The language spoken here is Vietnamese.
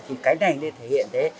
thì cái này nên thể hiện thế